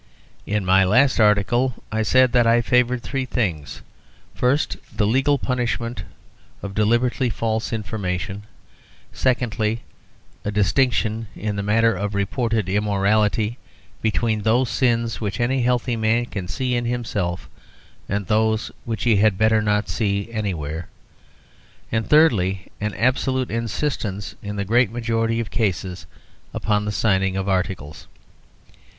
In my last article I said that I favoured three things first, the legal punishment of deliberately false information; secondly, a distinction, in the matter of reported immorality, between those sins which any healthy man can see in himself and those which he had better not see anywhere; and thirdly, an absolute insistence in the great majority of cases upon the signing of articles.